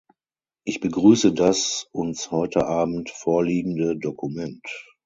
Ich begrüße das uns heute Abend vorliegende Dokument.